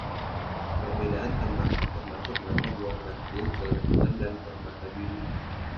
Perbedaan tambahan termasuk mata berwarna teal, celana hitam, dan permata biru.